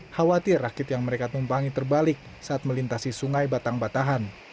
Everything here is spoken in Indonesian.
khawatir rakit yang mereka tumpangi terbalik saat melintasi sungai batang batahan